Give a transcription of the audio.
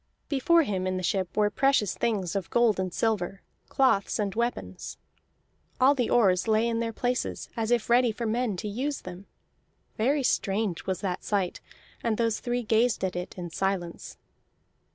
Before him in the ship were precious things of gold and silver, cloths, and weapons. All the oars lay in their places as if ready for men to use them. Very strange was that sight, and those three gazed at it in silence.